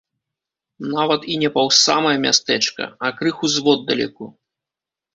Нават і не паўз самае мястэчка, а крыху зводдалеку.